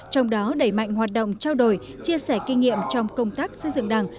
trong đó đẩy mạnh hoạt động trao đổi chia sẻ kinh nghiệm trong công tác xây dựng đảng